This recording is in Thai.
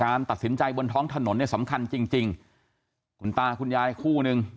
ตัดสินใจบนท้องถนนเนี่ยสำคัญจริงจริงคุณตาคุณยายคู่นึง